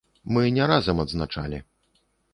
Мы не разам адзначалі.